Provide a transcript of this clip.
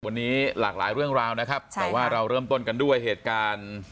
วันนี้หลากหลายเรื่องราวนะครับแต่ว่าเราเริ่มต้นกันด้วยเหตุการณ์